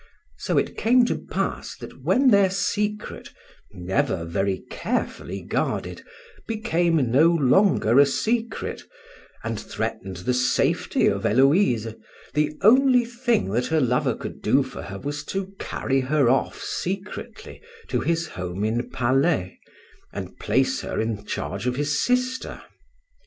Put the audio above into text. So it came to pass that when their secret, never very carefully guarded, became no longer a secret, and threatened the safety of Héloïse, the only thing that her lover could do for her was to carry her off secretly to his home in Palais, and place her in charge of his sister.